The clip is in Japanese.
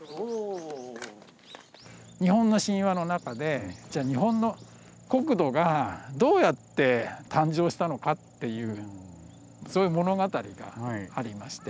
日本の神話の中で日本の国土がどうやって誕生したのかっていうそういう物語がありまして。